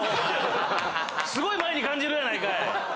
すごい前に感じるやないかい！